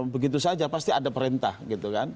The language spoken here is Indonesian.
begitu saja pasti ada perintah gitu kan